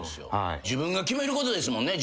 自分が決めることですもんね。